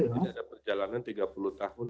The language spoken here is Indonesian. jadi ada perjalanan tiga puluh tahun